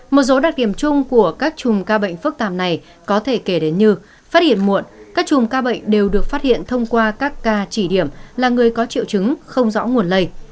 một số đặc điểm chung của các chùm ca bệnh phức tạp này có thể kể đến như phát hiện muộn các chùm ca bệnh đều được phát hiện thông qua các ca chỉ điểm là người có triệu chứng không rõ nguồn lây